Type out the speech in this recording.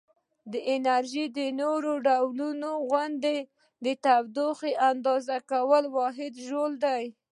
د انرژي د نورو ډولونو غوندې د تودوخې اندازه کولو واحد ژول دی.